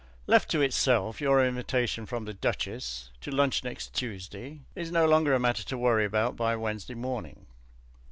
Left to itself your invitation from the Duchess to lunch next Tuesday is no longer a matter to worry about by Wednesday morning.